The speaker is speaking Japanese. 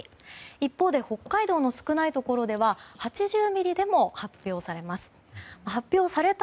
一方で北海道の少ないところでは８０ミリでも発表されます。